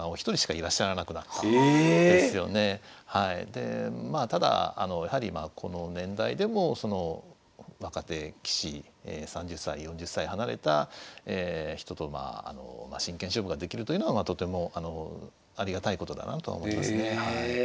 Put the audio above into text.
でまあただやはりまあこの年代でもその若手棋士３０歳４０歳離れた人と真剣勝負ができるというのはとてもありがたいことだなとは思いますね。